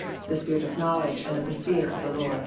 _The Spirit of Knowledge and of the Fear of the Lord.